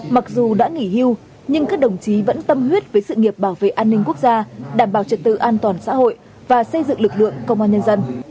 mặc dù đã nghỉ hưu nhưng các đồng chí vẫn tâm huyết với sự nghiệp bảo vệ an ninh quốc gia đảm bảo trật tự an toàn xã hội và xây dựng lực lượng công an nhân dân